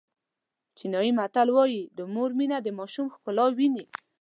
چینایي متل وایي د مور مینه د ماشوم ښکلا ویني.